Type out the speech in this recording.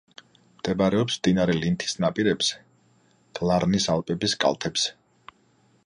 მდებარეობს მდინარე ლინთის ნაპირებზე, გლარნის ალპების კალთებზე.